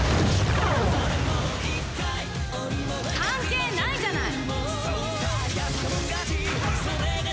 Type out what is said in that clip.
関係ないじゃない！